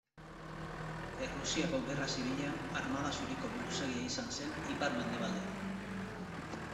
Errusiako Gerra Zibilean Armada Zuriko buruzagia izan zen ipar-mendebaldean.